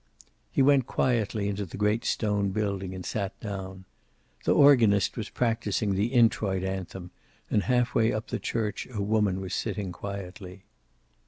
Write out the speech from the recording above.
He went quietly into the great stone building and sat down. The organist was practicing the Introit anthem, and half way up the church a woman was sitting quietly.